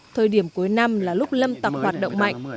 thời điểm cuối năm là lúc lâm tặc hoạt động mạnh